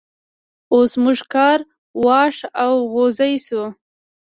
اوس موږ کار واښ او غوزی شو.